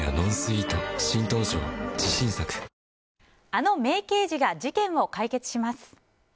あの名刑事が事件を解決します。